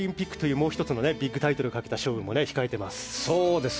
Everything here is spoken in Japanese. もう１つのビッグタイトルをかけた勝負も控えています。